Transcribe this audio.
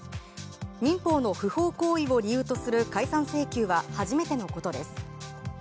民法の不法行為を理由とする解散請求は初めてのことです。